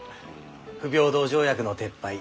不平等条約の撤廃。